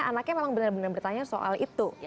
anaknya memang benar benar bertanya soal itu